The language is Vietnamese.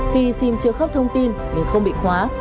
khi xim chưa khóc thông tin thì không bị khóa